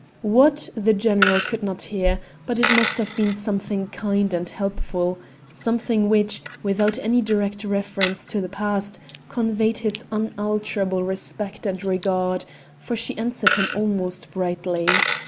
What, the general could not hear, but it must have been something kind and helpful something which, without any direct reference to the past, conveyed his unalterable respect and regard, for she answered him almost brightly.